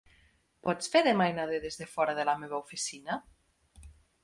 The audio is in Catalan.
Pots fer de mainader des de fora de la meva oficina?